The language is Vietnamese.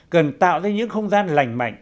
cần tạo ra những không gian lành mạnh